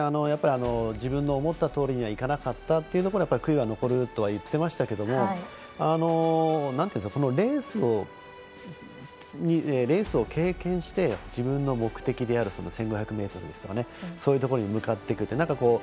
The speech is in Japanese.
自分の思ったとおりにはいかなかったというところは悔いが残ると言ってましたけどレースを経験して自分の目的である１５００ｍですとかそういうところに向かっていくと。